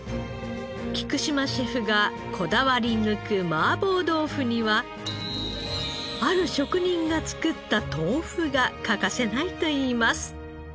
菊島シェフがこだわり抜く麻婆豆腐にはある職人が作った豆腐が欠かせないといいます。